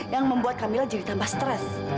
yang membuat kamilah jadi tambah stres